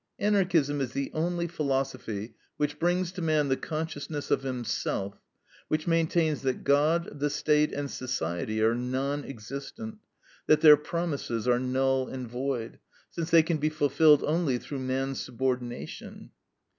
Anarchism is the only philosophy which brings to man the consciousness of himself; which maintains that God, the State, and society are non existent, that their promises are null and void, since they can be fulfilled only through man's subordination.